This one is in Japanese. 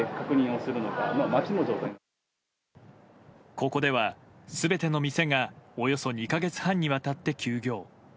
ここでは全ての店がおよそ２か月半にわたって休業。